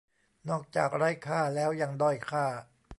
นอกจากไร้ค่าแล้วยังด้อยค่า